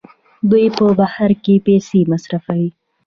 دوی په بهر کې پیسې مصرفوي.